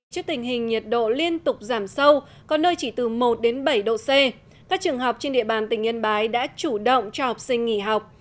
trước tình hình nhiệt độ liên tục giảm sâu có nơi chỉ từ một đến bảy độ c các trường học trên địa bàn tỉnh yên bái đã chủ động cho học sinh nghỉ học